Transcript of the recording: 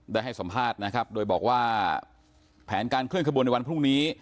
ได้ให้สัมภาษณ์นะครับโดยบอกว่าแผนการเคลื่อนขบวนในวันพรุ่งนี้